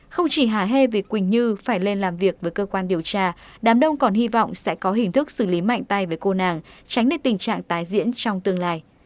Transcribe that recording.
không chỉ hà hê vì quỳnh như phải lên làm việc với cơ quan điều tra đám đông còn hy vọng sẽ có hình thức xử lý mạnh tay với cô nàng tránh để tình trạng tái diễn trong tương lai